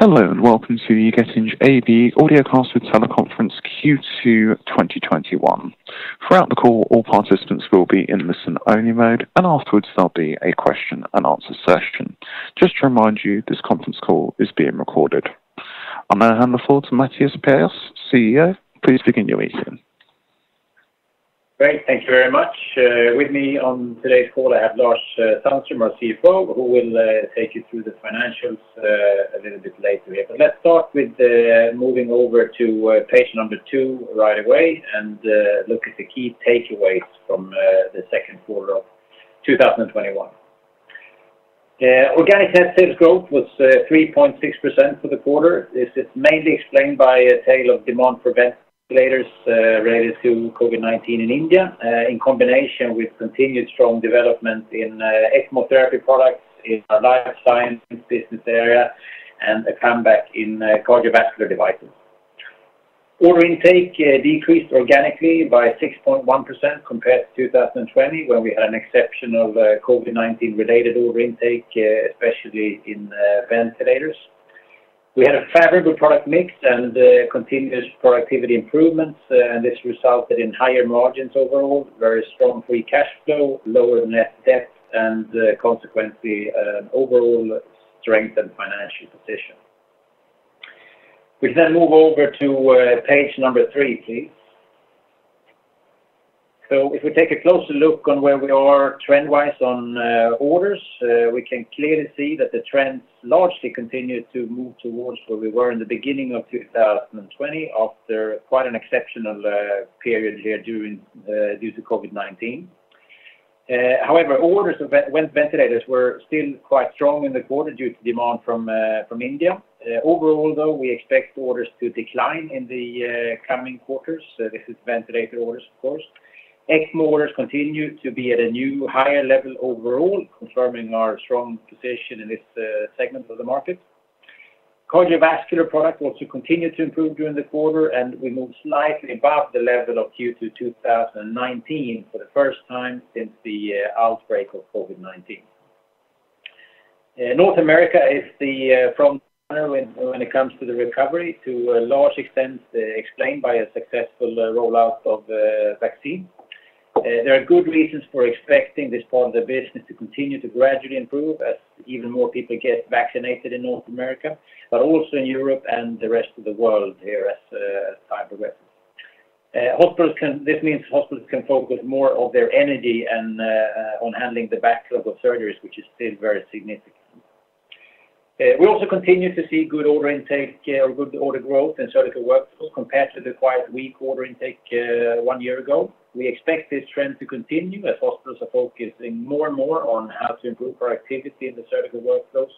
Hello. Welcome to the Getinge AB Audio Casting Teleconference Q2 2021. Throughout the call, all participants will be in listen-only mode. Afterwards, there'll be a question and answer session. Just to remind you, this conference call is being recorded. I'm going to hand the floor to Mattias Perjos, CEO. Please begin your. Great. Thank you very much. With me on today's call, I have Lars Sandström, our CFO, who will take you through the financials a little bit later here. Let's start with moving over to page number 2 right away and look at the key takeaways from the Q2 of 2021. Organic net sales growth was 3.6% for the quarter. This is mainly explained by a tale of demand for ventilators related to COVID-19 in India, in combination with continued strong development in ECMO therapy products in our Life Science business area, and a comeback in cardiovascular devices. Order intake decreased organically by 6.1% compared to 2020, when we had an exception of COVID-19 related order intake, especially in ventilators. We had a favorable product mix and continuous productivity improvements, this resulted in higher margins overall, very strong free cash flow, lower net debt, and consequently, an overall strengthened financial position. We move over to page number 3, please. If we take a closer look on where we are trend-wise on orders, we can clearly see that the trends largely continue to move towards where we were in the beginning of 2020, after quite an exceptional period here due to COVID-19. However, orders of ventilators were still quite strong in the quarter due to demand from India. Overall, though, we expect orders to decline in the coming quarters. This is ventilator orders, of course. ECMO orders continue to be at a new higher level overall, confirming our strong position in this segment of the market. Cardiovascular product also continued to improve during the quarter, and we moved slightly above the level of Q2 2019 for the first time since the outbreak of COVID-19. North America is the frontrunner when it comes to the recovery to a large extent explained by a successful rollout of the vaccine. There are good reasons for expecting this part of the business to continue to gradually improve as even more people get vaccinated in North America, but also in Europe and the rest of the world here as time progresses. This means hospitals can focus more of their energy on handling the backlog of surgeries, which is still very significant. We also continue to see good order intake or good order growth in Surgical Workflows compared to the quite weak order intake one year ago. We expect this trend to continue as hospitals are focusing more and more on how to improve productivity in the Surgical Workflows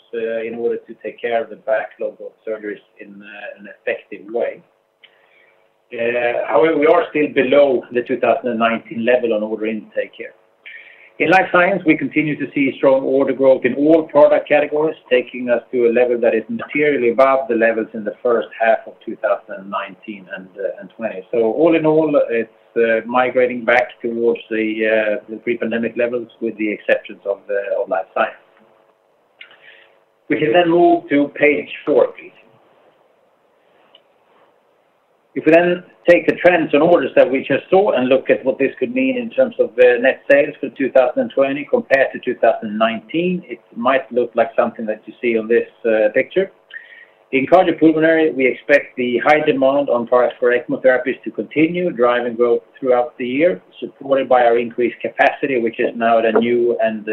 in order to take care of the backlog of surgeries in an effective way. However, we are still below the 2019 level on order intake here. In Life Science, we continue to see strong order growth in all product categories, taking us to a level that is materially above the levels in the H1 of 2019 and 2020. All in all, it's migrating back towards the pre-pandemic levels with the exceptions of Life Science. We can then move to page 4, please. If we then take the trends and orders that we just saw and look at what this could mean in terms of net sales for 2020 compared to 2019, it might look like something that you see on this picture. In cardiopulmonary, we expect the high demand on products for ECMO therapies to continue driving growth throughout the year, supported by our increased capacity, which is now at a new and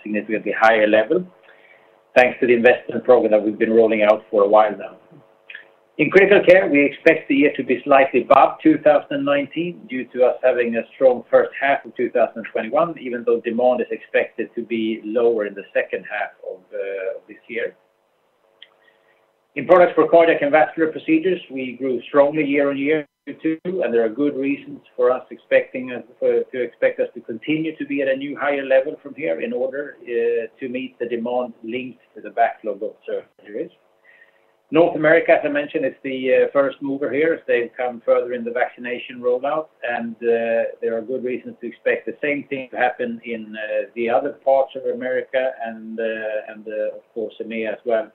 significantly higher level, thanks to the investment program that we've been rolling out for a while now. In critical care, we expect the year to be slightly above 2019 due to us having a strong H1 of 2021, even though demand is expected to be lower in the H2 of this year. In products for cardiac and vascular procedures, we grew strongly year-on-year Q2, and there are good reasons for us to expect us to continue to be at a new higher level from here in order to meet the demand linked to the backlog of surgeries. North America, as I mentioned, is the first mover here as they've come further in the vaccination rollout, and there are good reasons to expect the same thing to happen in the other parts of America and of course, EMEA as well.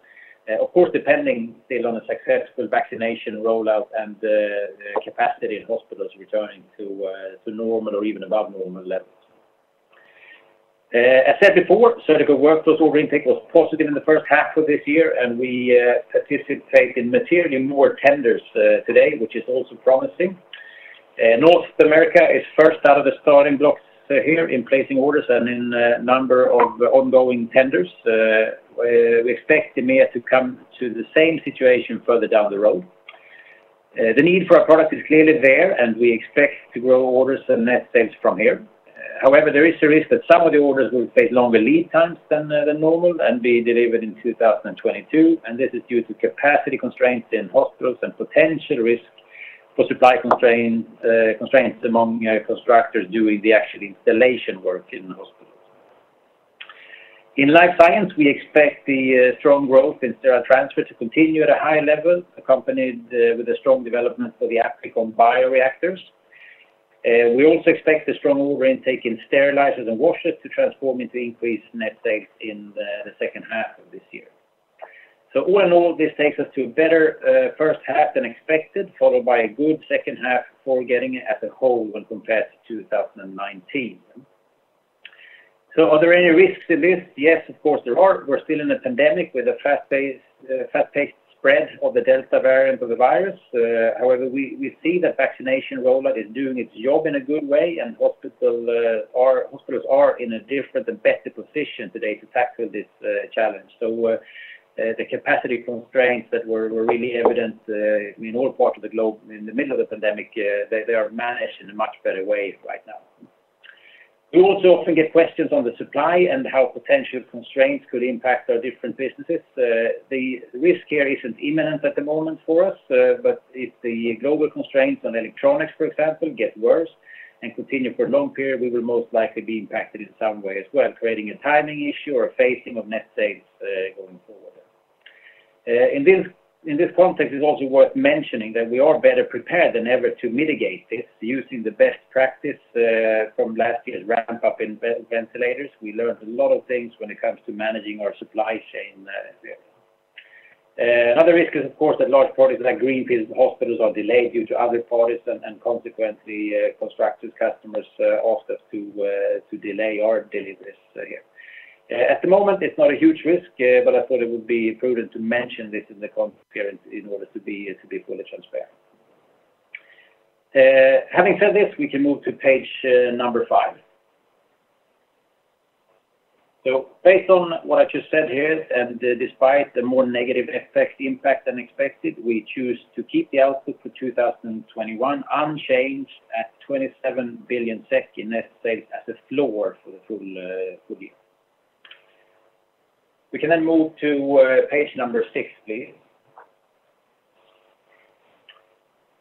Depending still on a successful vaccination rollout and the capacity in hospitals returning to normal or even above normal levels. As said before, Surgical Workflows order intake was positive in the H1 of this year, and we participate in materially more tenders today, which is also promising. North America is first out of the starting blocks here in placing orders and in number of ongoing tenders. We expect EMEA to come to the same situation further down the road. The need for our product is clearly there, and we expect to grow orders and net sales from here. However, there is a risk that some of the orders will face longer lead times than normal and be delivered in 2022, and this is due to capacity constraints in hospitals and potential risk for supply constraints among constructors doing the actual installation work in the hospitals. In Life Science, we expect the strong growth in sterile transfer to continue at a high level, accompanied with a strong development for the Applikon bioreactors. We also expect the strong order intake in sterilizers and washers to transform into increased net sales in the H2 of this year. All in all, this takes us to a better H1 than expected, followed by a good H2 for Getinge as a whole when compared to 2019. Are there any risks in this? Yes, of course there are. We're still in a pandemic with a fast-paced spread of the Delta variant of the virus. We see the vaccination rollout is doing its job in a good way, and hospitals are in a different and better position today to tackle this challenge. The capacity constraints that were really evident in all parts of the globe in the middle of the pandemic, they are managed in a much better way right now. We also often get questions on the supply and how potential constraints could impact our different businesses. The risk here isn't imminent at the moment for us. If the global constraints on electronics, for example, get worse and continue for a long period, we will most likely be impacted in some way as well, creating a timing issue or a phasing of net sales going forward. In this context, it's also worth mentioning that we are better prepared than ever to mitigate this using the best practice from last year's ramp-up in ventilators. We learned a lot of things when it comes to managing our supply chain. Another risk is, of course, that large projects like greenfield hospitals are delayed due to other parties, and consequently, constructed customers ask us to delay our deliveries here. At the moment, it's not a huge risk, but I thought it would be prudent to mention this in the conference here in order to be fully transparent. Having said this, we can move to page number 5. Based on what I just said here, and despite the more negative effect impact than expected, we choose to keep the outlook for 2021 unchanged at 27 billion SEK in net sales as a floor for the full year. We can then move to page number 6, please.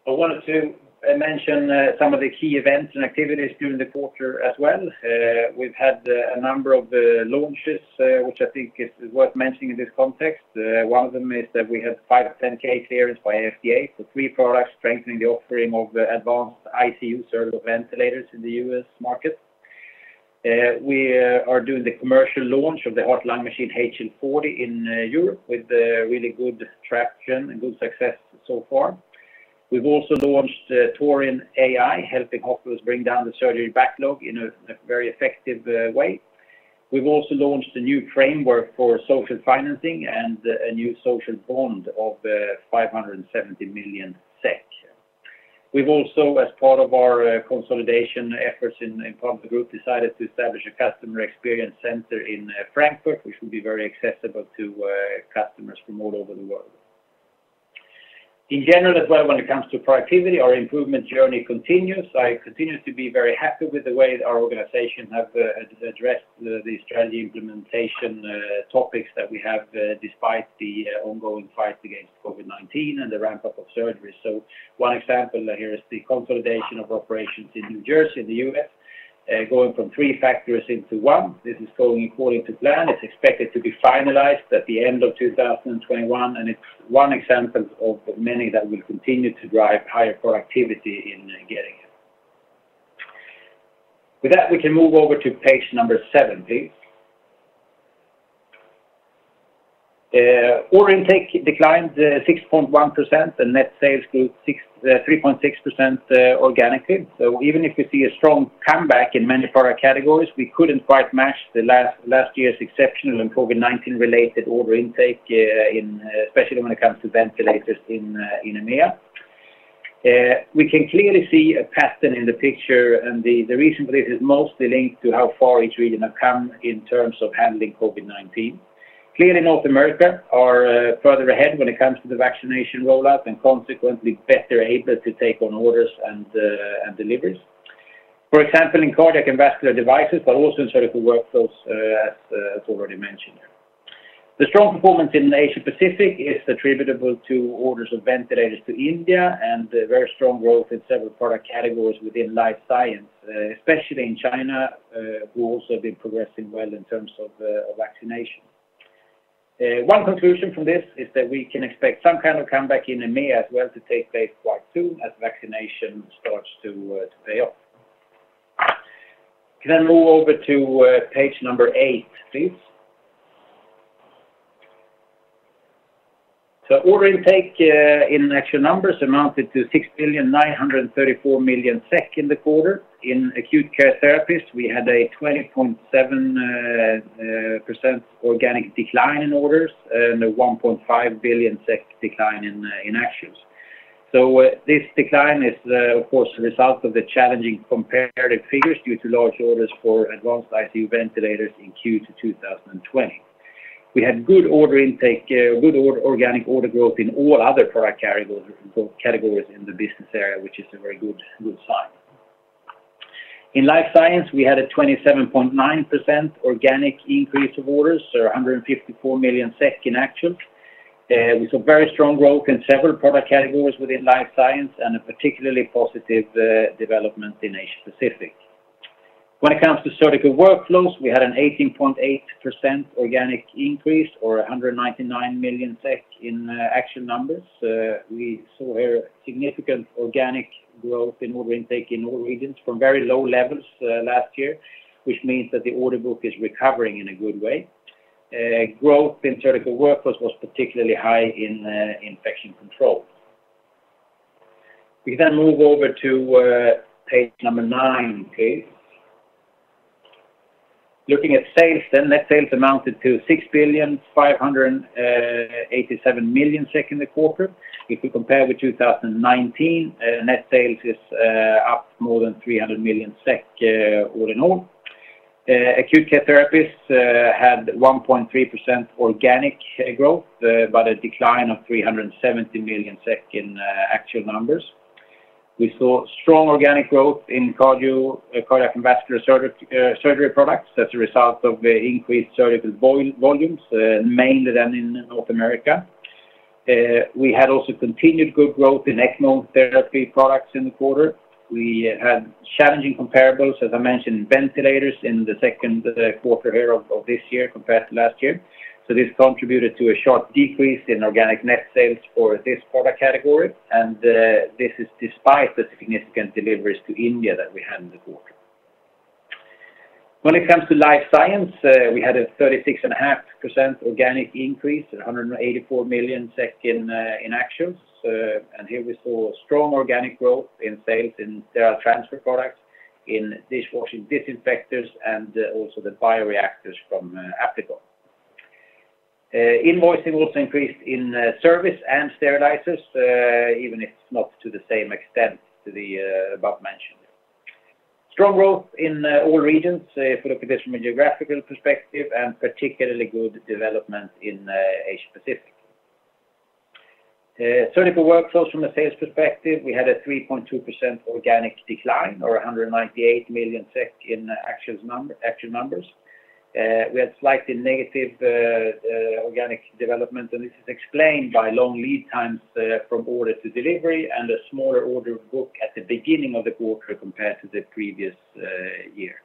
I wanted to mention some of the key events and activities during the quarter as well. We've had a number of launches, which I think is worth mentioning in this context. One of them is that we had 510(k) clearance by FDA for three products strengthening the offering of the advanced ICU surgical ventilators in the U.S. market. We are doing the commercial launch of the heart-lung machine HL 40 in Europe with really good traction and good success so far. We've also launched Torin AI, helping hospitals bring down the surgery backlog in a very effective way. We've also launched a new framework for social financing and a new social bond of 570 million SEK. We've also, as part of our consolidation efforts in the group, decided to establish a customer experience center in Frankfurt, which will be very accessible to customers from all over the world. In general as well, when it comes to productivity, our improvement journey continues. I continue to be very happy with the way our organization has addressed the strategy implementation topics that we have despite the ongoing fight against COVID-19 and the ramp-up of surgeries. One example here is the consolidation of operations in New Jersey, the U.S., going from three factories into one. This is going according to plan. It's expected to be finalized at the end of 2021, and it's one example of many that will continue to drive higher productivity in Getinge. With that, we can move over to page number 7, please. Order intake declined 6.1%, and net sales grew 3.6% organically. Even if we see a strong comeback in many product categories, we couldn't quite match the last year's exceptional and COVID-19 related order intake, especially when it comes to ventilators in EMEA. We can clearly see a pattern in the picture, and the reason for this is mostly linked to how far each region have come in terms of handling COVID-19. Clearly North America are further ahead when it comes to the vaccination rollout and consequently better able to take on orders and deliveries. For example, in cardiac and vascular devices, but also in Surgical Workflows as already mentioned here. The strong performance in Asia Pacific is attributable to orders of ventilators to India and very strong growth in several product categories within Life Science, especially in China, who also been progressing well in terms of vaccination. One conclusion from this is that we can expect some kind of comeback in EMEA as well to take place quite soon as vaccination starts to pay off. Can I move over to page number 8, please? Order intake in actual numbers amounted to 6,934 million SEK in the quarter. In Acute Care Therapies, we had a 20.7% organic decline in orders and a 1.5 billion SEK decline in actuals. This decline is, of course, a result of the challenging comparative figures due to large orders for advanced ICU ventilators in Q2 2020. We had good order intake, good organic order growth in all other product categories in the business area, which is a very good sign. In Life Science, we had a 27.9% organic increase of orders. 154 million SEK in actual. We saw very strong growth in several product categories within Life Science and a particularly positive development in Asia Pacific. When it comes to Surgical Workflows, we had an 18.8% organic increase or 199 million SEK in actual numbers. We saw a significant organic growth in order intake in all regions from very low levels last year, which means that the order book is recovering in a good way. Growth in Surgical Workflows was particularly high in Infection Control. We can move over to page 9, please. Looking at sales then, net sales amounted to 6,587,000,000 in the quarter. If we compare with 2019, net sales is up more than 300 million SEK all in all. Acute Care Therapies had 1.3% organic growth, but a decline of 370 million SEK in actual numbers. We saw strong organic growth in cardiac and vascular surgery products as a result of the increased surgical volumes, mainly than in North America. We had also continued good growth in ECMO therapy products in the quarter. We had challenging comparables, as I mentioned, in ventilators in the Q2 here of this year compared to last year. This contributed to a sharp decrease in organic net sales for this product category, and this is despite the significant deliveries to India that we had in the quarter. When it comes to Life Science, we had a 36.5% organic increase, 184 million SEK in actions. Here we saw strong organic growth in sales in sterile transfer products, in washer disinfectors, and also the bioreactors from Applikon. Invoicing also increased in service and sterilizers, even if it's not to the same extent to the above mentioned. Strong growth in all regions if we look at this from a geographical perspective, particularly good development in Asia Pacific. Surgical Workflows from a sales perspective, we had a 3.2% organic decline or 198 million SEK in actual numbers. We had slightly negative organic development, this is explained by long lead times from order to delivery and a smaller order book at the beginning of the quarter compared to the previous year.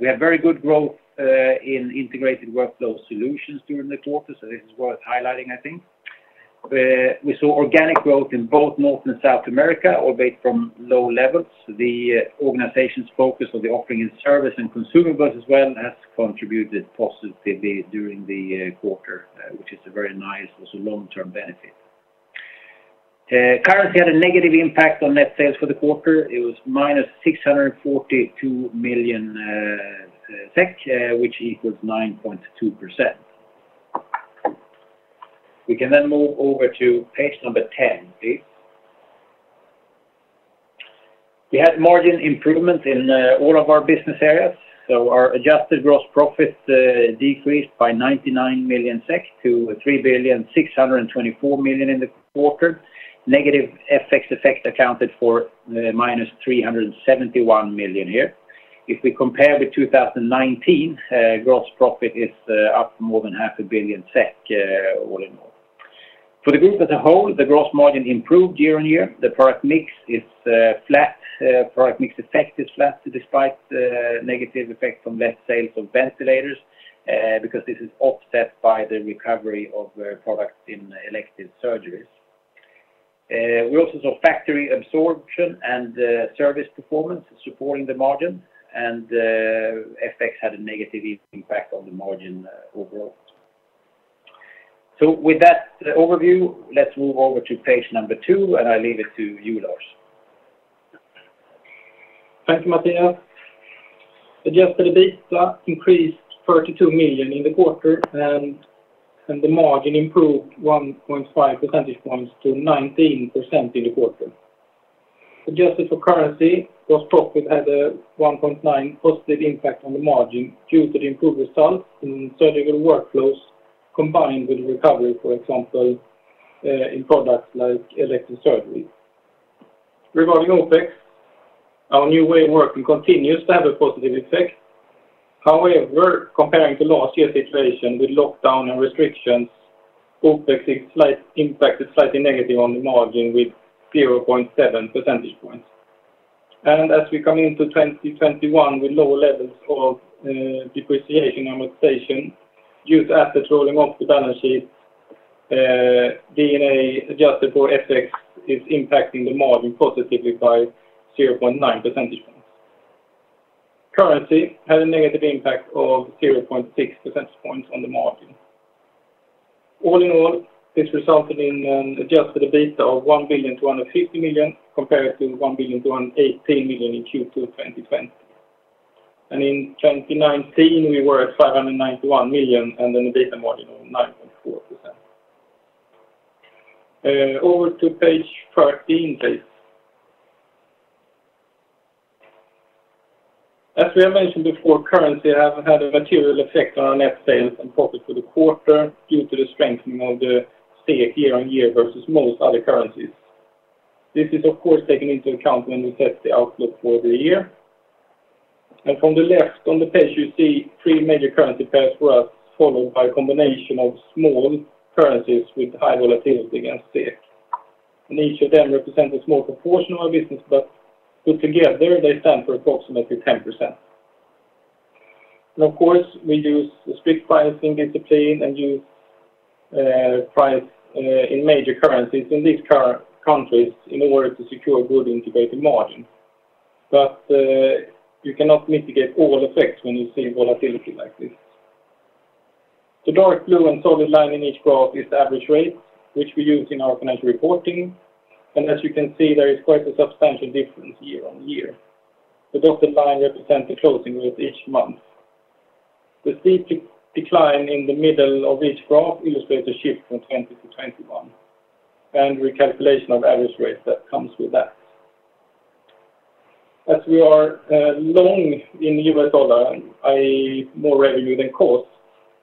We had very good growth in Integrated Workflow Solutions during the quarter, this is worth highlighting, I think. We saw organic growth in both North and South America, albeit from low levels. The organization's focus on the offering in service and consumables as well has contributed positively during the quarter, which is a very nice also long-term benefit. Currency had a negative impact on net sales for the quarter. It was -642 million, which equals 9.2%. We can move over to page 10, please. We had margin improvement in all of our business areas. Our adjusted gross profit decreased by 99 million SEK to 3,624 million in the quarter. Negative FX effect accounted for minus 371 million here. If we compare with 2019, gross profit is up more than half a billion SEK all in all. For the group as a whole, the gross margin improved year-over-year. The product mix effect is flat despite negative effect from less sales of ventilators, this is offset by the recovery of products in elective surgeries. We also saw factory absorption and service performance supporting the margin, FX had a negative impact on the margin overall. With that overview, let's move over to page 2, I leave it to you, Lars. Thank you, Mattias. Adjusted EBITDA increased 32 million in the quarter, and the margin improved 1.5 percentage points to 19% in the quarter. Adjusted for currency, gross profit had a 1.9 positive impact on the margin due to the improved results in Surgical Workflows, combined with recovery, for example, in products like elective surgery. Regarding OpEx, our new way of working continues to have a positive effect. However, comparing to last year's situation with lockdown and restrictions, OpEx impact is slightly negative on the margin with 0.7 percentage points. As we come into 2021 with lower levels of depreciation amortization, used assets rolling off the balance sheet, D&A adjusted for FX is impacting the margin positively by 0.9 percentage points. Currency had a negative impact of 0.6 percentage points on the margin. All in all, this resulted in an adjusted EBITDA of 1,250 million compared to 1,218 million in Q2 2020. In 2019, we were at 591 million and an EBITDA margin of 9.4%. Over to page 13, please. As we have mentioned before, currency hasn't had a material effect on our net sales and profit for the quarter due to the strengthening of the SEK year-on-year versus most other currencies. This is, of course, taken into account when we set the outlook for the year. From the left on the page, you see three major currency pairs for us, followed by a combination of small currencies with high volatility against SEK. Each of them represents a small proportion of our business, but together they stand for approximately 10%.Of course, we use strict pricing discipline and use price in major currencies in these countries in order to secure good integrated margin. You cannot mitigate all effects when you see volatility like this. The dark blue and solid line in each graph is the average rates, which we use in our financial reporting. As you can see, there is quite a substantial difference year-on-year. The dotted line represents the closing rate each month. The steep decline in the middle of each graph illustrates the shift from 2020 to 2021, and recalculation of average rates that comes with that. As we are long in USD, i.e., more revenue than cost,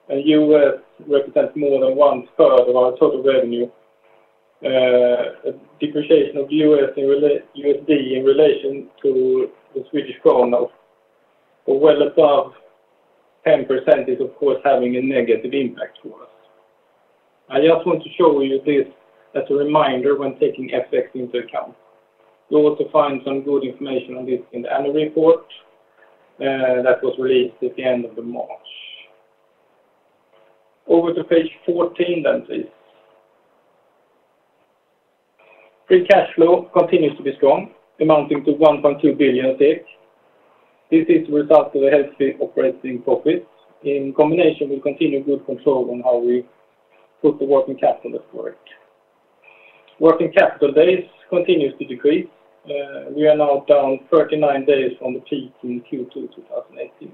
and U.S. represents more than 1/3 of our total revenue. Depreciation of USD in relation to the Swedish Krona. I just want to show you this as a reminder when taking FX into account. You also find some good information on this in the annual report that was released at the end of March. Over to page 14, please. Free cash flow continues to be strong, amounting to 1.2 billion. This is the result of the healthy operating profits in combination with continued good control on how we put the working capital to work. Working capital days continues to decrease. We are now down 39 days from the peak in Q2 2018.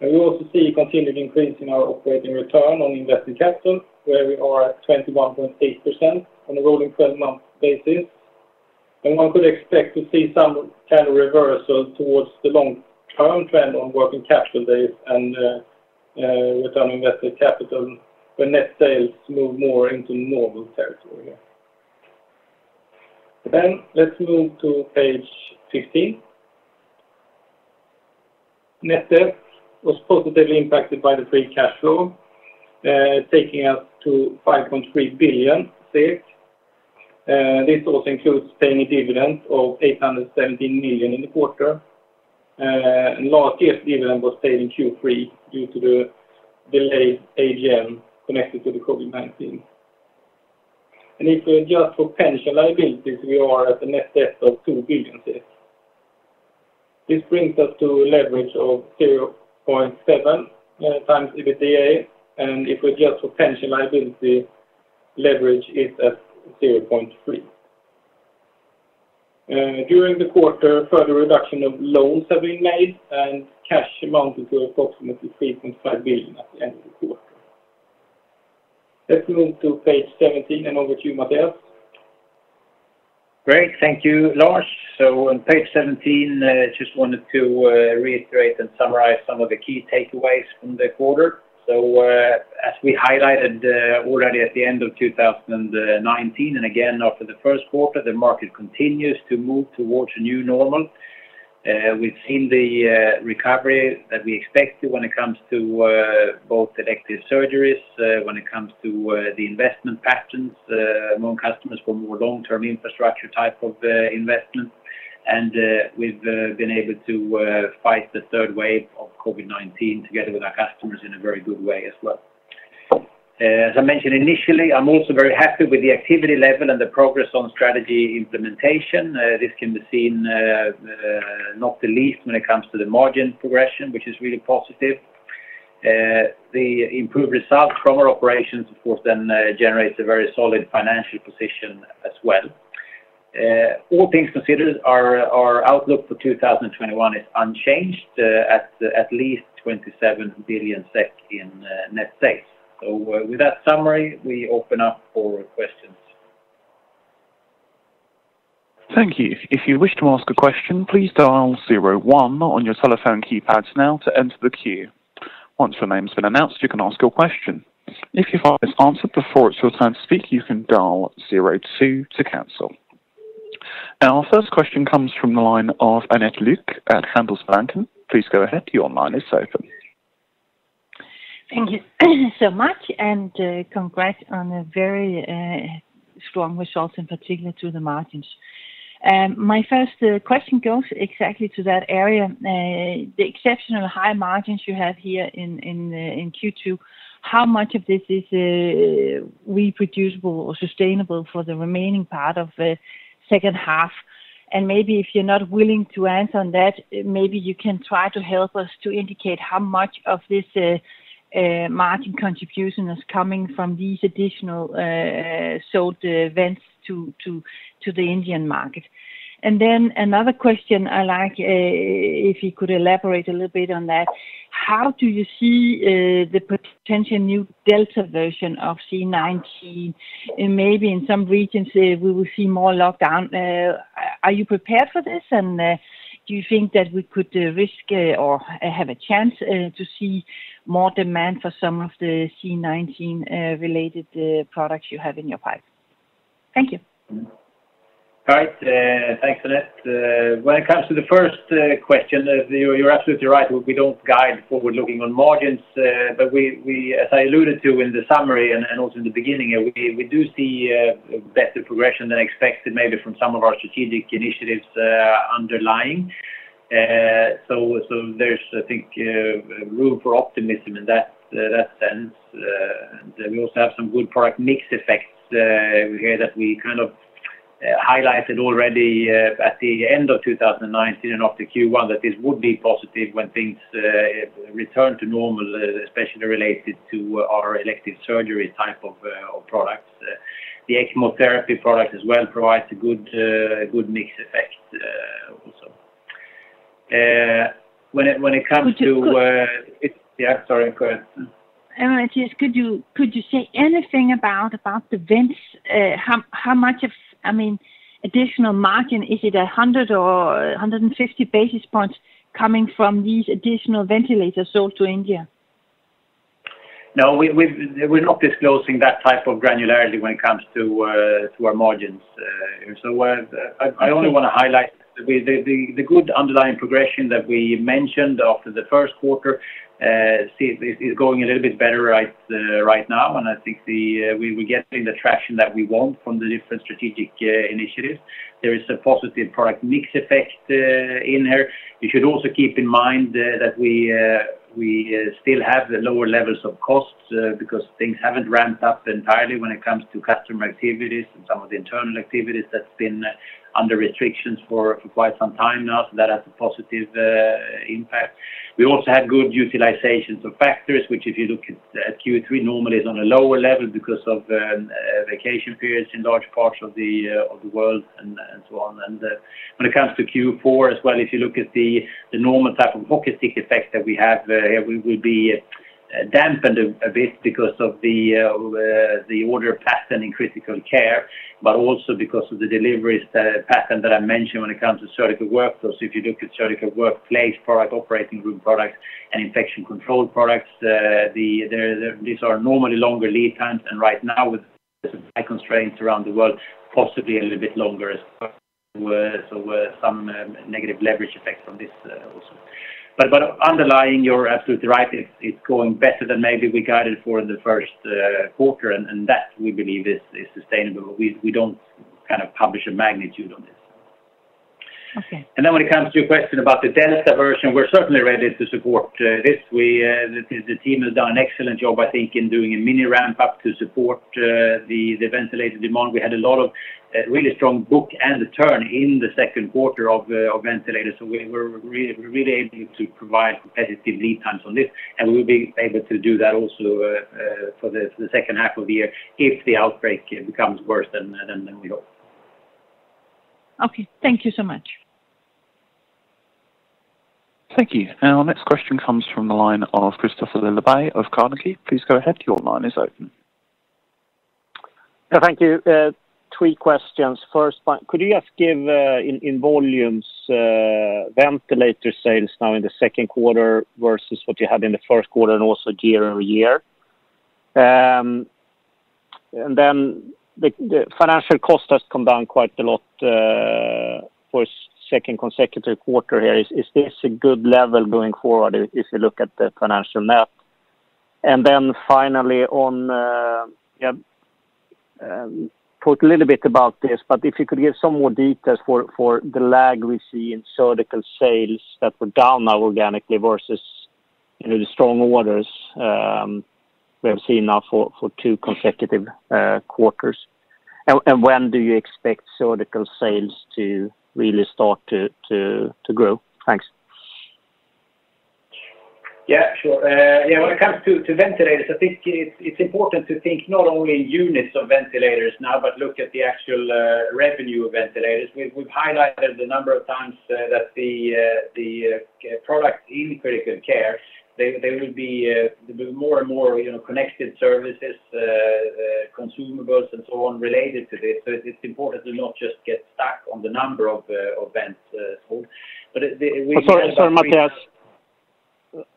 We also see continued increase in our operating return on invested capital, where we are at 21.8% on a rolling 12-month basis. One could expect to see some kind of reversal towards the long-term trend on working capital days and return on invested capital when net sales move more into normal territory. Let's move to page 15. Net debt was positively impacted by the free cash flow, taking us to 5.3 billion. This also includes paying a dividend of 870 million in the quarter. Last year's dividend was paid in Q3 due to the delayed AGM connected to the COVID-19. If we adjust for pension liabilities, we are at a net debt of 2 billion. This brings us to a leverage of 0.7x EBITDA, and if we adjust for pension liability, leverage is at 0.3x. During the quarter, further reduction of loans have been made, and cash amounted to approximately 3.5 billion at the end of the quarter. Let's move to page 17, and over to you, Mattias. Great, thank you, Lars. On page 17, just wanted to reiterate and summarize some of the key takeaways from the quarter. As we highlighted already at the end of 2019, and again after the Q1, the market continues to move towards a new normal. We've seen the recovery that we expected when it comes to both elective surgeries, when it comes to the investment patterns among customers for more long-term infrastructure type of investments. We've been able to fight the third wave of COVID-19 together with our customers in a very good way as well. As I mentioned initially, I'm also very happy with the activity level and the progress on strategy implementation. This can be seen not the least when it comes to the margin progression, which is really positive. The improved results from our operations, of course, then generates a very solid financial position as well. All things considered, our outlook for 2021 is unchanged at least 27 billion SEK in net sales. With that summary, we open up for questions. Thank you. If you wish to ask a question, please dial zero-one on your telephone keypads now to enter the queue. Once your name's been announced, you can ask your question. If your question is answered before it's your turn to speak, you can dial zero-two to cancel. Our first question comes from the line of Annette Lykke at Handelsbanken. Please go ahead, your line is open. Thank you so much, congrats on a very strong result in particular to the margins. My first question goes exactly to that area. The exceptional high margins you have here in Q2, how much of this is reproducible or sustainable for the remaining part of the H2? Maybe if you're not willing to answer on that, maybe you can try to help us to indicate how much of this margin contribution is coming from these additional sold vents to the Indian market. Another question I like if you could elaborate a little bit on that, how do you see the potential new Delta of COVID-19? Maybe in some regions we will see more lockdown. Are you prepared for this? Do you think that we could risk or have a chance to see more demand for some of the COVID-19 related products you have in your pipe? Thank you. All right. Thanks, Annette Lykke. When it comes to the first question, you're absolutely right. We don't guide forward-looking on margins. As I alluded to in the summary and also in the beginning, we do see better progression than expected maybe from some of our strategic initiatives underlying. There's, I think, room for optimism in that sense. We also have some good product mix effects here that we highlighted already at the end of 2019 and after Q1, that this would be positive when things return to normal, especially related to our elective surgery type of products. The ECMO therapy product as well provides a good mix effect also. Could you- Yeah, sorry. Go ahead. No, it's just could you say anything about the vents? How much of additional margin, is it 100 or 150 basis points coming from these additional ventilators sold to India? We're not disclosing that type of granularity when it comes to our margins. I only want to highlight the good underlying progression that we mentioned after the Q1, is going a little bit better right now, and I think we're getting the traction that we want from the different strategic initiatives. There is a positive product mix effect in here. You should also keep in mind that we still have the lower levels of costs because things haven't ramped up entirely when it comes to customer activities and some of the internal activities that's been under restrictions for quite some time now. That has a positive impact. We also had good utilizations of factories, which, if you look at Q3, normally is on a lower level because of vacation periods in large parts of the world and so on. When it comes to Q4 as well, if you look at the normal type of hockey stick effect that we have here, we will be dampened a bit because of the order pattern in critical care, but also because of the deliveries pattern that I mentioned when it comes to Surgical Workflows. If you look at Surgical Workplaces product, operating room products, and Infection Control products, these are normally longer lead times. Right now, with supply constraints around the world, possibly a little bit longer as well. Some negative leverage effects on this also. Underlying, you're absolutely right. It's going better than maybe we guided for in Q1, and that we believe is sustainable. We don't publish a magnitude on this. Okay. When it comes to your question about the Delta, we're certainly ready to support this. The team has done an excellent job, I think, in doing a mini ramp-up to support the ventilator demand. We had a lot of really strong book and turn in the Q2 of ventilators. We're really able to provide competitive lead times on this, and we'll be able to do that also for the H2 of the year if the outbreak becomes worse than we hope. Okay. Thank you so much. Thank you. Our next question comes from the line of Kristofer Liljeberg of Carnegie. Please go ahead. Your line is open. Thank you. Three questions. First, could you just give in volumes, ventilator sales now in the Q2 versus what you had in the Q1 and also year-over-year? Then the financial cost has come down quite a lot for a two consecutive quarters here. Is this a good level going forward if you look at the financial net? Finally on, you talked a little bit about this, but if you could give some more details for the lag we see in surgical sales that were down now organically versus the strong orders we have seen now for two consecutive quarters. When do you expect surgical sales to really start to grow? Thanks. Yeah, sure. When it comes to ventilators, I think it's important to think not only units of ventilators now, but look at the actual revenue of ventilators. We've highlighted a number of times that the product in critical care, there will be more and more connected services, consumables, and so on related to this. It's important to not just get stuck on the number of vents sold. Sorry, Mattias.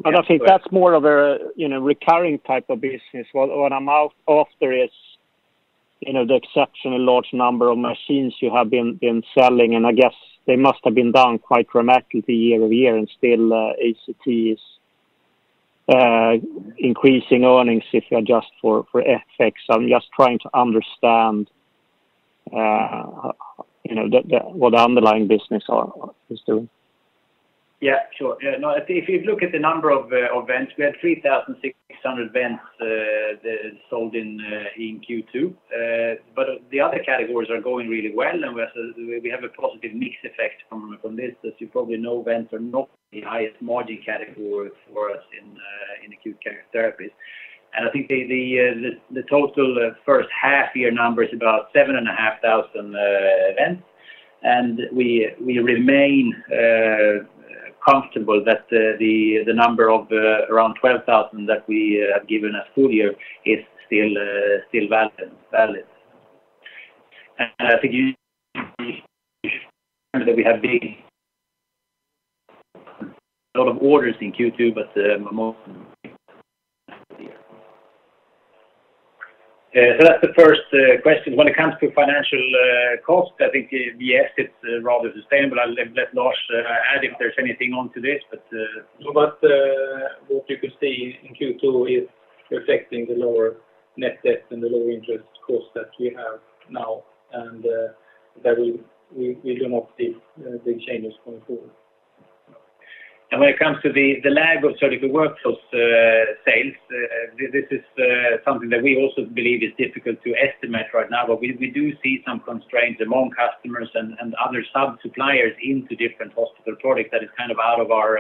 I think that's more of a recurring type of business. What I'm after is the exceptional large number of machines you have been selling, and I guess they must have been down quite dramatically year-over-year, and still ACT is increasing earnings if you adjust for FX. I'm just trying to understand what the underlying business is doing. Yeah, sure. If you look at the number of vents, we had 3,600 vents sold in Q2. The other categories are going really well, and we have a positive mix effect from this. As you probably know, vents are not the highest margin category for us in Acute Care Therapies. I think the total H1 year number is about 7,500 vents. We remain comfortable that the number of around 12,000 that we have given as full year is still valid. I think you mentioned that we have a lot of orders in Q2. That's the first question. When it comes to financial cost, I think yes, it's rather sustainable. I'll let Lars add if there's anything onto this. What you could see in Q2 is reflecting the lower net debt and the lower interest cost that we have now, and that we do not see big changes going forward. When it comes to the lag of Surgical Workflows sales, this is something that we also believe is difficult to estimate right now. We do see some constraints among customers and other sub-suppliers into different hospital products that is out of our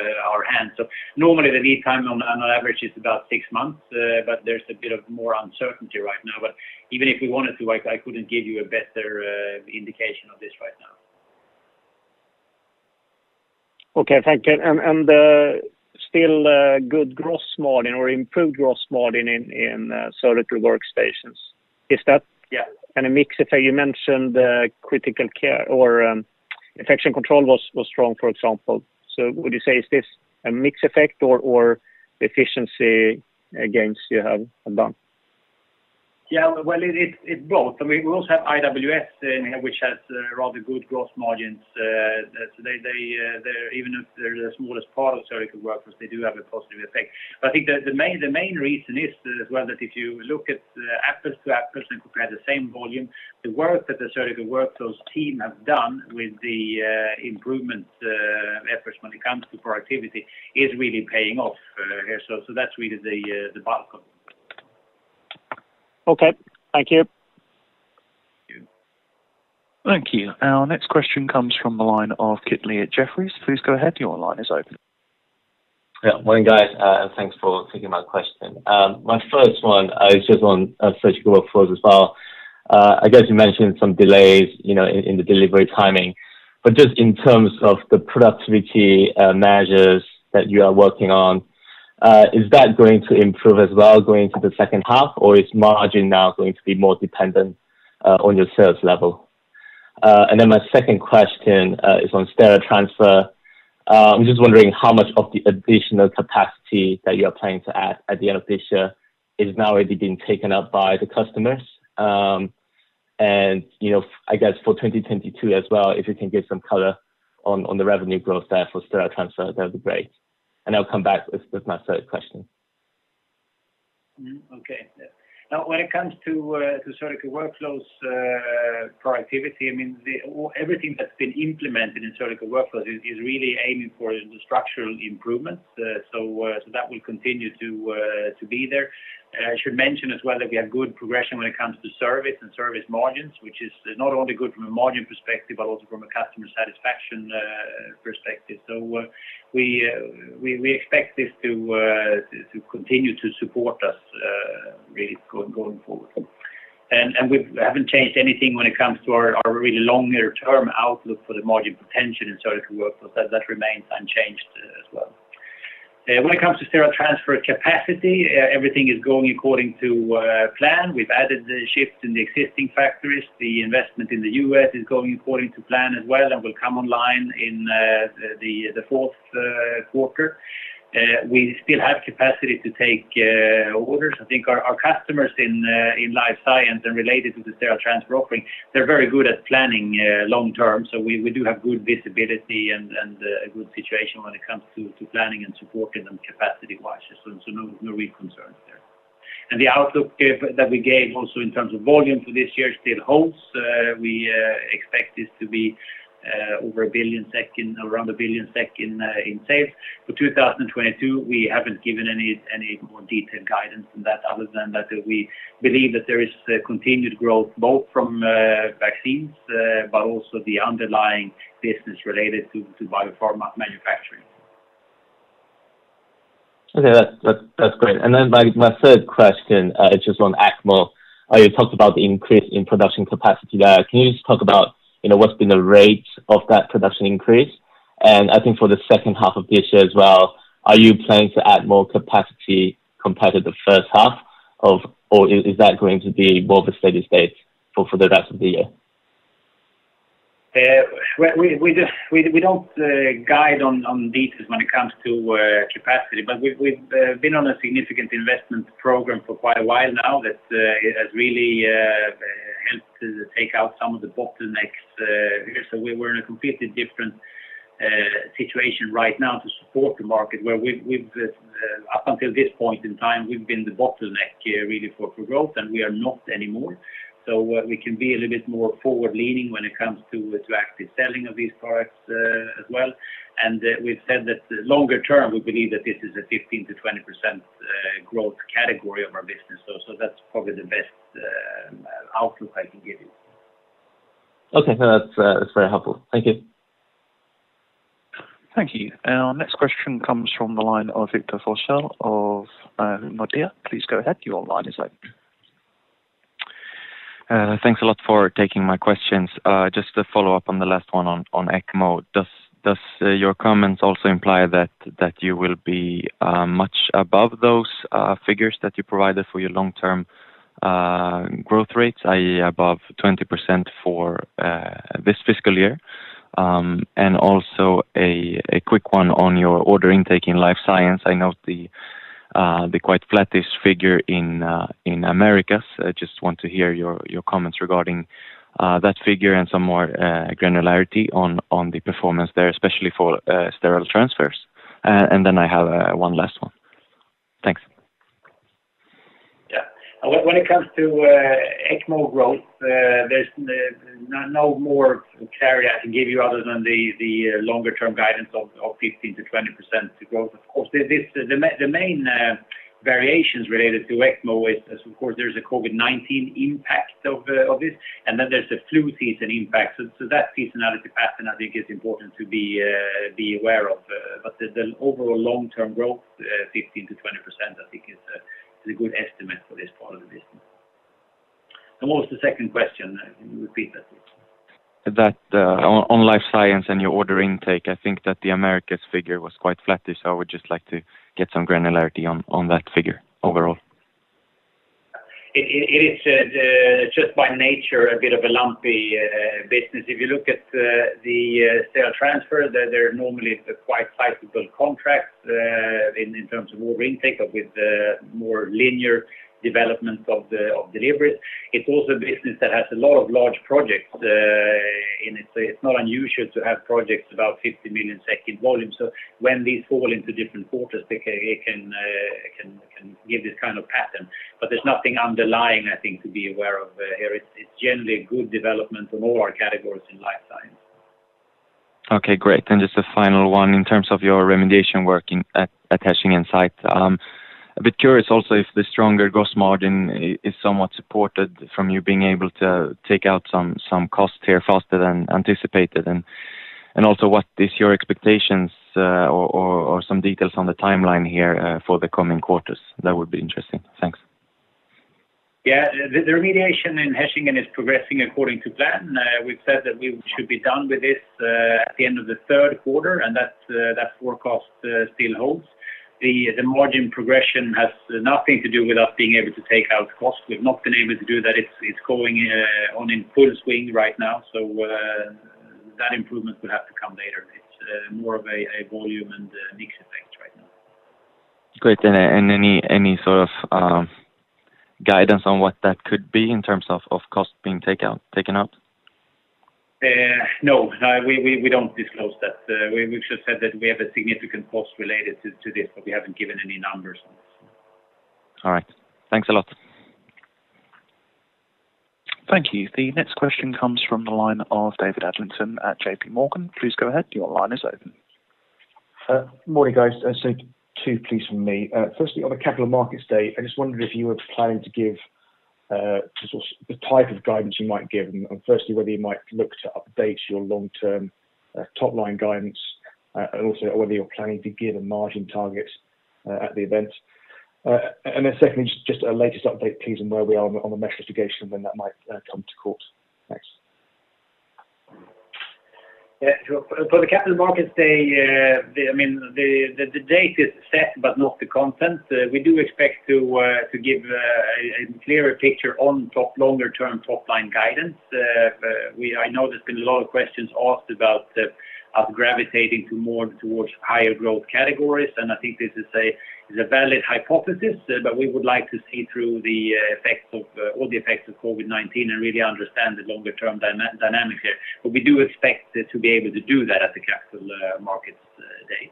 hands. Normally the lead time on average is about six months, but there's a bit of more uncertainty right now. Even if we wanted to, I couldn't give you a better indication of this right now. Okay, thank you. Still good gross margin or improved gross margin in Surgical Workplaces. Is that- Yeah -a mix effect? You mentioned critical care or Infection Control was strong, for example. Would you say is this a mix effect or efficiency gains you have done? Well, it both. I mean, we also have IWS which has rather good gross margins. Even if they're the smallest part of Surgical Workflows, they do have a positive effect. I think the main reason is as well, that if you look at apples to apples and compare the same volume, the work that the Surgical Workflows team have done with the improvement efforts when it comes to productivity is really paying off here. That's really the bulk of it. Okay. Thank you. Thank you. Our next question comes from the line of Kit Lee Jefferies. Please go ahead. Your line is open. Yeah. Morning, guys. Thanks for taking my question. My first one is just on Surgical Workflows as well. I guess you mentioned some delays in the delivery timing, but just in terms of the productivity measures that you are working on, is that going to improve as well going to the H2, or is margin now going to be more dependent on your sales level? My second question is on sterile transfer. I'm just wondering how much of the additional capacity that you're planning to add at the end of this year is now already being taken up by the customers? I guess for 2022 as well, if you can give some color on the revenue growth there for sterile transfer, that'd be great. I'll come back with my third question. Okay. Now, when it comes to Surgical Workflows productivity, I mean, everything that's been implemented in Surgical Workflows is really aiming for structural improvements. That will continue to be there. I should mention as well that we have good progression when it comes to service and service margins, which is not only good from a margin perspective, but also from a customer satisfaction perspective. We expect this to continue to support us really going forward. We haven't changed anything when it comes to our really longer-term outlook for the margin potential in Surgical Workflows. That remains unchanged as well. When it comes to sterile transfer capacity, everything is going according to plan. We've added the shift in the existing factories. The investment in the U.S. is going according to plan as well and will come online in the Q4. We still have capacity to take orders. I think our customers in Life Science and related to the Sterile Transfer offering, they're very good at planning long-term. We do have good visibility and a good situation when it comes to planning and supporting them capacity-wise. No real concerns there. The outlook that we gave also in terms of volume for this year still holds. We expect this to be over 1 billion in sales. For 2022, we haven't given any more detailed guidance than that, other than that we believe that there is continued growth both from vaccines, but also the underlying business related to biopharma manufacturing. Okay. That's great. My third question is just on ECMO. You talked about the increase in production capacity there. Can you just talk about what's been the rate of that production increase? I think for the H2 of this year as well, are you planning to add more capacity compared to the H1, or is that going to be more of a steady state for the rest of the year? We don't guide on details when it comes to capacity, but we've been on a significant investment program for quite a while now that has really helped to take out some of the bottlenecks. We're in a completely different situation right now to support the market where up until this point in time, we've been the bottleneck really for growth, and we are not anymore. We can be a little bit more forward-leaning when it comes to active selling of these products as well. We've said that longer term, we believe that this is a 15%-20% growth category of our business. That's probably the best outlook I can give you. Okay. No, that's very helpful. Thank you. Thank you. Our next question comes from the line of Victor Forssell of Nordea. Please go ahead. Your line is open. Thanks a lot for taking my questions. Just to follow up on the last one on ECMO. Does your comments also imply that you will be much above those figures that you provided for your long-term growth rates, i.e., above 20% for this fiscal year? Also a quick one on your order intake in Life Science. I note the quite flattish figure in Americas. I just want to hear your comments regarding that figure and some more granularity on the performance there, especially for Sterile Transfers. Then I have one last one. Thanks. Yeah. When it comes to ECMO growth, there's no more clarity I can give you other than the longer-term guidance of 15%-20% growth. The main variations related to ECMO is, of course, there's a COVID-19 impact of this, and then there's a flu season impact. That seasonality pattern, I think, is important to be aware of. The overall long-term growth, 15%-20%, I think, is a good estimate for this part of the business. What was the second question? Can you repeat that, please? That on Life Science and your order intake, I think that the Americas figure was quite flattish, so I would just like to get some granularity on that figure overall. It is, just by nature, a bit of a lumpy business. If you look at the sterile transfer, they're normally quite cyclical contracts in terms of order intake, but with more linear development of deliveries. It's also a business that has a lot of large projects, and it's not unusual to have projects about 50 million volume. When these fall into different quarters, it can give this kind of pattern. There's nothing underlying, I think, to be aware of here. It's generally a good development on all our categories in Life Science. Okay, great. Just a final one, in terms of your remediation work at Hechingen site. I'm a bit curious also if the stronger gross margin is somewhat supported from you being able to take out some costs here faster than anticipated. Also, what is your expectations or some details on the timeline here for the coming quarters? That would be interesting. Thanks. Yeah. The remediation in Hechingen is progressing according to plan. We've said that we should be done with this at the end of the Q3. That forecast still holds. The margin progression has nothing to do with us being able to take out costs. We've not been able to do that. It's going on in full swing right now. That improvement would have to come later. It's more of a volume and mix effect right now. Great. Any sort of guidance on what that could be in terms of costs being taken out? No. We don't disclose that. We've just said that we have a significant cost related to this, but we haven't given any numbers on this. All right. Thanks a lot. Thank you. The next question comes from the line of David Adlington at JPMorgan. Please go ahead. Your line is open. Morning, guys. Two, please, from me. Firstly, on the Capital Markets Day, I just wondered if you were planning to give the type of guidance you might give, and firstly, whether you might look to update your long-term top-line guidance, and also whether you're planning to give a margin target at the event. Secondly, just a latest update, please, on where we are on the mesh litigation and when that might come to court. Thanks. For the Capital Markets Day, the date is set but not the content. We do expect to give a clearer picture on longer-term top-line guidance. I know there's been a lot of questions asked about us gravitating more towards higher growth categories. I think this is a valid hypothesis, we would like to see through all the effects of COVID-19 and really understand the longer-term dynamic there. We do expect to be able to do that at the Capital Markets Day.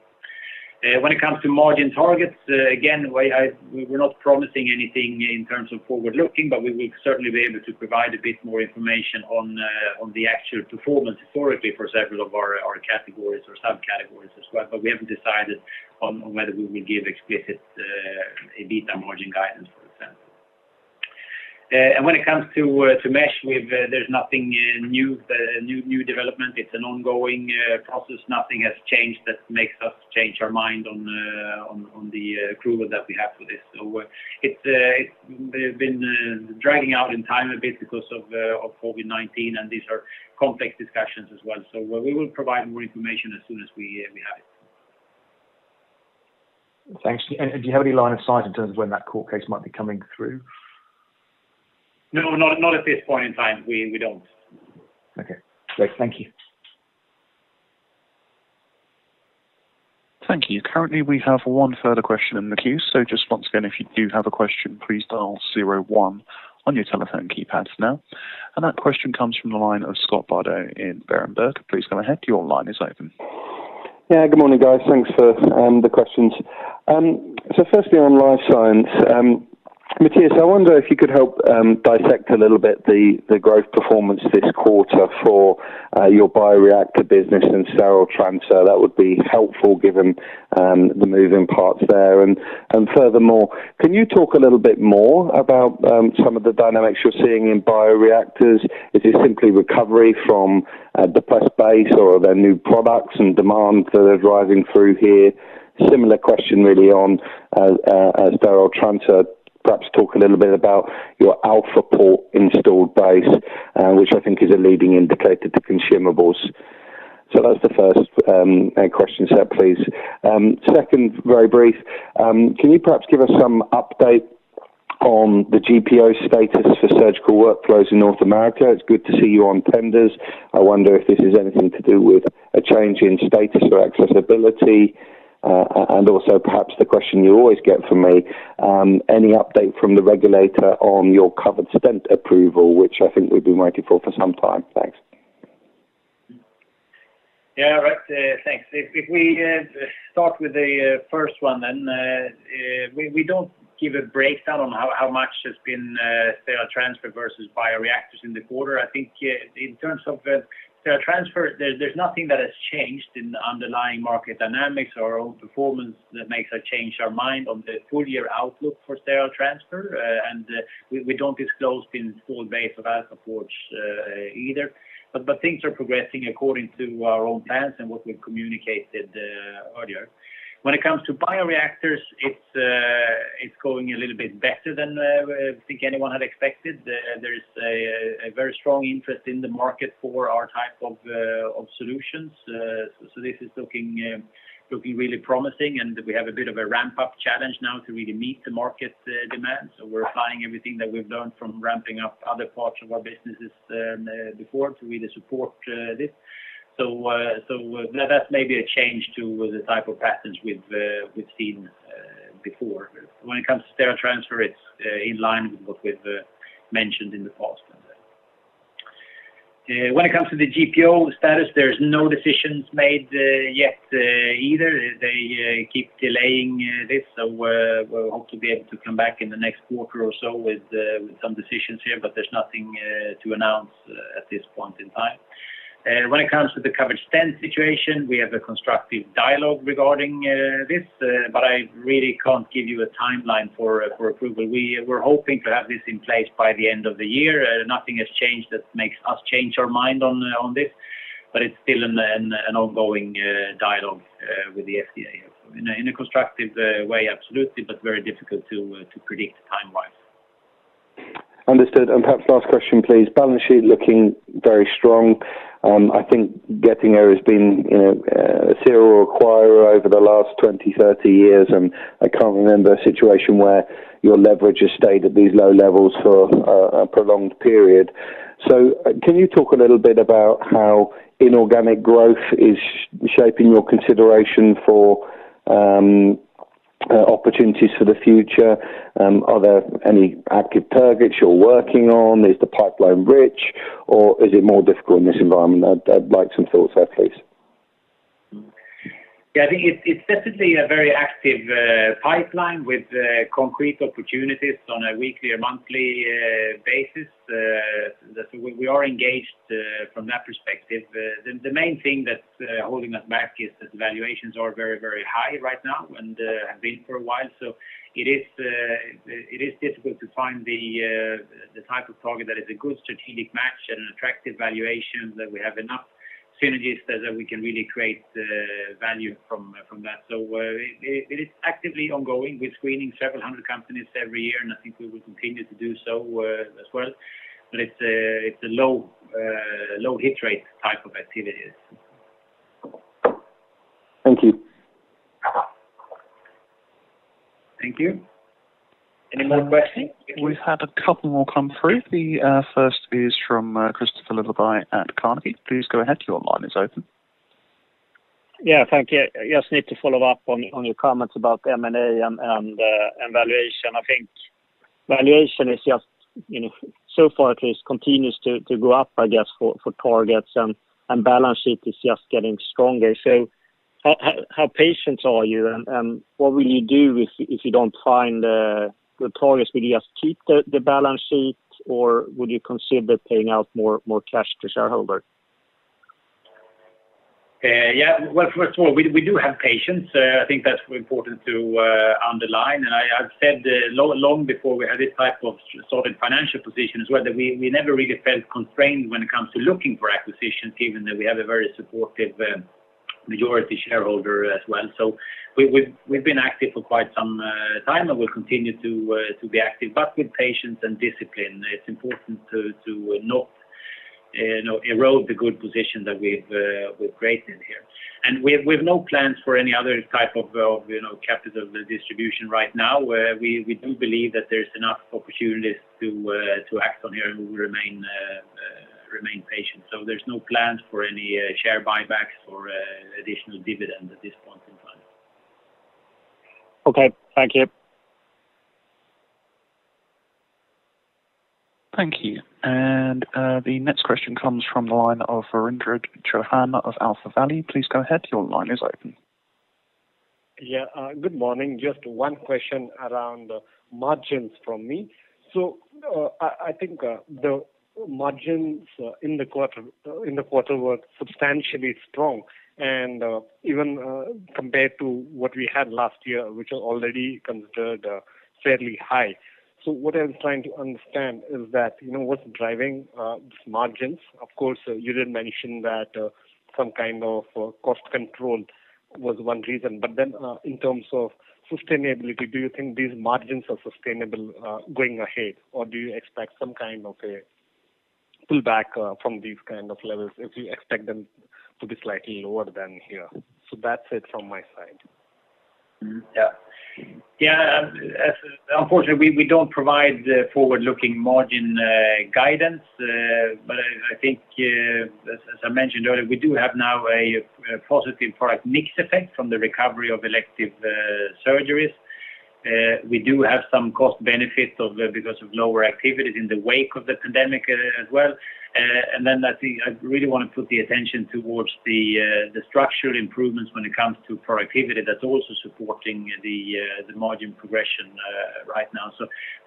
When it comes to margin targets, again, we're not promising anything in terms of forward-looking. We will certainly be able to provide a bit more information on the actual performance historically for several of our categories or sub-categories as well. We haven't decided on whether we will give explicit EBITDA margin guidance, for example. When it comes to mesh, there's nothing new development. It's an ongoing process. Nothing has changed that makes us change our mind on the approval that we have for this. It's been dragging out in time a bit because of COVID-19, and these are complex discussions as well. We will provide more information as soon as we have it. Thanks. Do you have any line of sight in terms of when that court case might be coming through? No, not at this point in time. We don't. Okay. Great. Thank you. Thank you. Currently, we have one further question in the queue. Just once again, if you do have a question, please dial zero-one on your telephone keypads now. That question comes from the line of Scott Bardo in Berenberg. Please go ahead. Your line is open. Yeah, good morning, guys. Thanks for the questions. Firstly, on Life Science, Mattias, I wonder if you could help dissect a little bit the growth performance this quarter for your bioreactor business and sterile transfer. That would be helpful given the moving parts there. Furthermore, can you talk a little bit more about some of the dynamics you're seeing in bioreactors? Is it simply recovery from depressed base or are there new products and demand that are driving through here? Similar question really on sterile transfer. Perhaps talk a little bit about your Alpha Port installed base, which I think is a leading indicator to consumables. That's the first question, sir, please. Second, very brief. Can you perhaps give us some update- On the GPO status for Surgical Workflows in North America, it's good to see you on tenders. I wonder if this has anything to do with a change in status or accessibility. Also, perhaps the question you always get from me, any update from the regulator on your covered stent approval, which I think we've been waiting for for some time? Thanks. Yeah, right. Thanks. If we start with the first one, we don't give a breakdown on how much has been Sterile Transfer versus bioreactors in the quarter. I think in terms of Sterile Transfer, there's nothing that has changed in the underlying market dynamics or our own performance that makes us change our mind on the full-year outlook for Sterile Transfer. We don't disclose the install base of Alpha Port either. Things are progressing according to our own plans and what we've communicated earlier. When it comes to bioreactors, it's going a little bit better than I think anyone had expected. There is a very strong interest in the market for our type of solutions. This is looking really promising, and we have a bit of a ramp-up challenge now to really meet the market demand. We are applying everything that we have learned from ramping up other parts of our businesses before to really support this. That is maybe a change to the type of patterns we have seen before. When it comes to sterile transfer, it is in line with what we have mentioned in the past. When it comes to the GPO status, there is no decisions made yet either. They keep delaying this, so we hope to be able to come back in the next quarter or so with some decisions here, but there is nothing to announce at this point in time When it comes to the covered stent situation, we have a constructive dialogue regarding this, but I really cannot give you a timeline for approval. We were hoping to have this in place by the end of the year. Nothing has changed that makes us change our mind on this, but it's still an ongoing dialogue with the FDA, in a constructive way, absolutely, very difficult to predict time-wise. Understood. Perhaps last question, please. Balance sheet looking very strong. I think Getinge has been a serial acquirer over the last 20, 30 years, and I can't remember a situation where your leverage has stayed at these low levels for a prolonged period. Can you talk a little bit about how inorganic growth is shaping your consideration for opportunities for the future? Are there any active targets you're working on? Is the pipeline rich, or is it more difficult in this environment? I'd like some thoughts there, please. Yeah, I think it's definitely a very active pipeline with concrete opportunities on a weekly or monthly basis. We are engaged from that perspective. The main thing that's holding us back is that valuations are very high right now and have been for a while. It is difficult to find the type of target that is a good strategic match at an attractive valuation, that we have enough synergies that we can really create value from that. It is actively ongoing. We're screening several hundred companies every year, and I think we will continue to do so as well. It's a low hit rate type of activities. Thank you. Thank you. Any more questions? We've had a couple more come through. The first is from Kristofer Liljeberg at Carnegie. Please go ahead, your line is open. Yeah, thank you. Just need to follow up on your comments about M&A and valuation. I think valuation is just, so far at least, continues to go up, I guess, for targets, and balance sheet is just getting stronger. How patient are you, and what will you do if you don't find good targets? Will you just keep the balance sheet, or would you consider paying out more cash to shareholders? Yeah. Well, first of all, we do have patience. I think that's important to underline. I've said, long before we had this type of solid financial position as well, that we never really felt constrained when it comes to looking for acquisitions, even though we have a very supportive majority shareholder as well. We've been active for quite some time and we'll continue to be active, but with patience and discipline. It's important to not erode the good position that we've created here. We've no plans for any other type of capital distribution right now. We do believe that there's enough opportunities to act on here, and we will remain patient. There's no plans for any share buybacks or additional dividend at this point in time. Okay. Thank you. Thank you. The next question comes from the line of Virendra Chauhan of AlphaValue. Please go ahead, your line is open. Yeah. Good morning. Just one question around margins from me. I think the margins in the quarter were substantially strong, and even compared to what we had last year, which are already considered fairly high. What I was trying to understand is that, what's driving these margins? Of course, you did mention that some kind of cost control was one reason, in terms of sustainability, do you think these margins are sustainable going ahead? Do you expect some kind of a pullback from these kind of levels if you expect them to be slightly lower than here? That's it from my side. Yeah. Unfortunately, we don't provide the forward-looking margin guidance. I think, as I mentioned earlier, we do have now a positive product mix effect from the recovery of elective surgeries. We do have some cost benefits because of lower activities in the wake of the pandemic as well. I think I really want to put the attention towards the structural improvements when it comes to productivity that's also supporting the margin progression right now.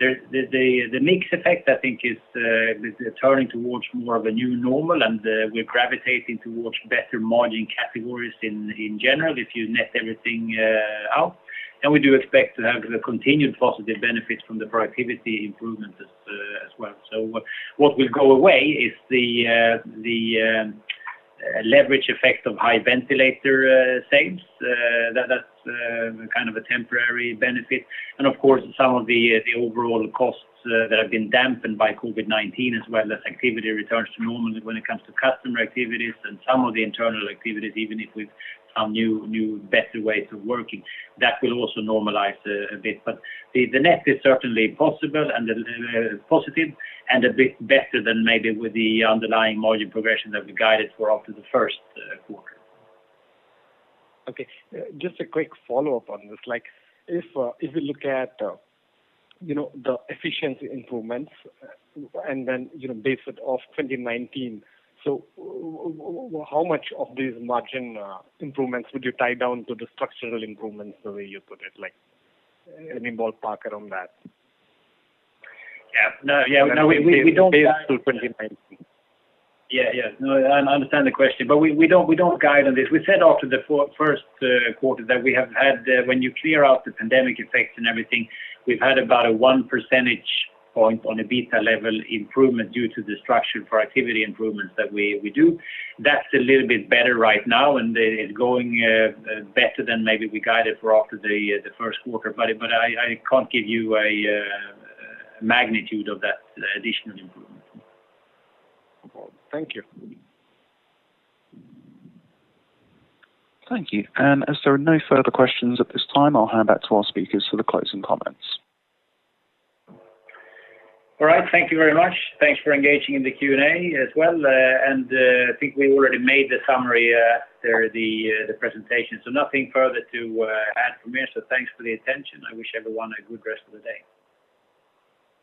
The mix effect, I think is turning towards more of a new normal, and we're gravitating towards better margin categories in general if you net everything out. We do expect to have the continued positive benefits from the productivity improvements as well. What will go away is the leverage effect of high ventilator sales. That's a temporary benefit. Of course, some of the overall costs that have been dampened by COVID-19 as well as activity returns to normal when it comes to customer activities and some of the internal activities, even if with some new, better ways of working. That will also normalize a bit. The net is certainly possible and positive and a bit better than maybe with the underlying margin progression that we guided for after the Q1. Okay. Just a quick follow-up on this. If we look at the efficiency improvements and then base it off 2019, how much of these margin improvements would you tie down to the structural improvements the way you put it? Any ballpark around that? Yeah. No, we don't guide. Based on 2019. Yeah. No, I understand the question. We don't guide on this. We said after the Q1 that we have had, when you clear out the pandemic effects and everything, we've had about 1 percentage point on EBITDA level improvement due to the structural productivity improvements that we do. That's a little bit better right now, and it's going better than maybe we guided for after the Q1. I can't give you a magnitude of that additional improvement. Thank you. Thank you. As there are no further questions at this time, I'll hand back to our speakers for the closing comments. All right. Thank you very much. Thanks for engaging in the Q&A as well. I think we already made the summary there, the presentation. Nothing further to add from here. Thanks for the attention. I wish everyone a good rest of the day.